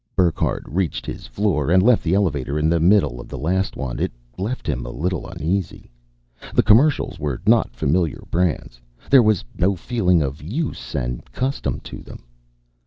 Burckhardt reached his floor and left the elevator in the middle of the last one. It left him a little uneasy. The commercials were not for familiar brands; there was no feeling of use and custom to them.